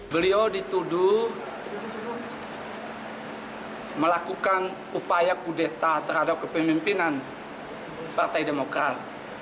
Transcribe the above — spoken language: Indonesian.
beliau dituduh melakukan upaya kudeta terhadap kepemimpinan partai demokrat